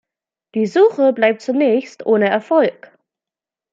Die Suche bleibt zunächst ohne Erfolg.